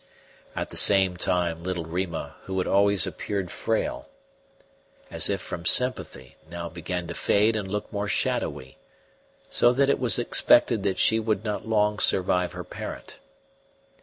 At the same time little Rima, who had always appeared frail, as if from sympathy, now began to fade and look more shadowy, so that it was expected she would not long survive her parent.